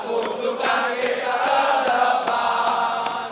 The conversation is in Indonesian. untukkan kita ke depan